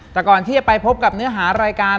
แต่ก่อนที่จะไปพบกับเนื้อหารายการ